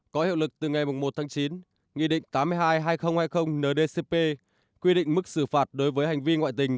có hiệu lực từ ngày một tháng chín nghị định tám mươi hai hai nghìn hai mươi ndcp quy định mức xử phạt đối với hành vi ngoại tình